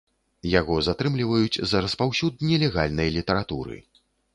Яго затрымліваюць за распаўсюд нелегальнай літаратуры.